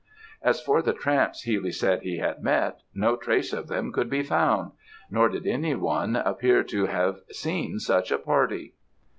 As for the tramps Healy said he had met, no trace of them could be found, nor did anyone appear to have seen such a party.